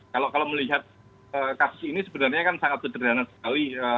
kalau melihat kasus ini sebenarnya kan sangat sederhana sekali